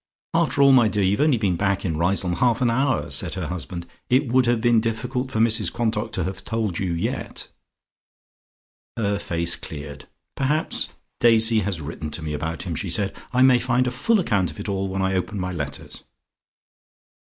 "After all, my dear, you have only been back in Riseholme half an hour," said her husband. "It would have been difficult for Mrs Quantock to have told you yet." Her face cleared. "Perhaps Daisy has written to me about him," she said. "I may find a full account of it all when I open my letters."